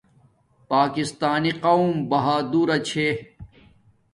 پاکسانی قوم بہادور چھے